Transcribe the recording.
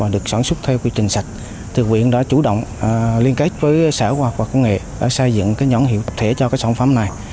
được sản xuất theo quy trình sạch huyện đã chủ động liên kết với xã hội khoa học và công nghệ xây dựng nhóm hiệu thể cho sản phẩm này